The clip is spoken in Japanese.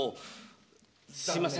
すいません。